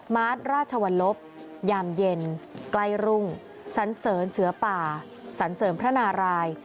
มาร์ทราชวรลบยามเย็นใกล้รุ่งสันเสริญเสือป่าสันเสริมพระนาราย